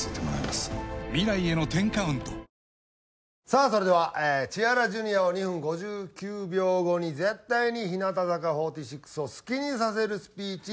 さあそれでは「千原ジュニアを２分５９秒後に絶対に日向坂４６を好きにさせるスピーチ」。